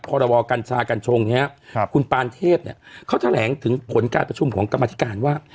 พรบกัญชากัญชงเนี่ยคุณปานเทพเนี่ยเขาแถลงถึงผลการประชุมของกรรมธิการว่า